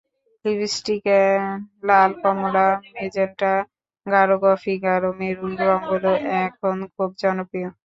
লিপস্টিকে লাল, কমলা, মেজেন্টা, গাঢ় কফি, গাঢ় মেরুন রংগুলো এখন খুব জনপ্রিয়।